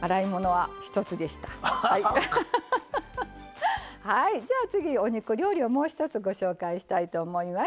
はいでは次お肉料理をもう一つご紹介したいと思います。